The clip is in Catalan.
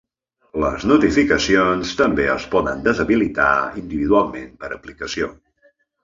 Les notificacions també es poden deshabilitar individualment per aplicació.